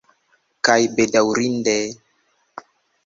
Kaj, bedaŭrinde...